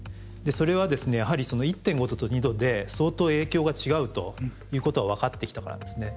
それはですねやはり１．５℃と２℃で相当影響が違うということが分かってきたからですね。